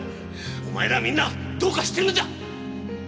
お前らみんなどうかしてるんだ！